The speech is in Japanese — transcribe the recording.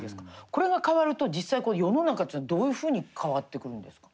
これが変わると実際世の中っていうのはどういうふうに変わってくるんですか。